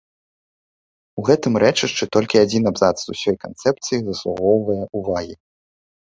У гэтым рэчышчы толькі адзін абзац з усёй канцэпцыі заслугоўвае ўвагі.